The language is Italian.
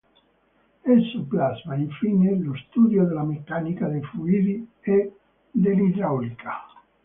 Esso plasma, infine, lo studio della meccanica dei fluidi e dell'idraulica.